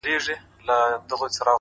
زغم د بریا اوږد ملګری دی’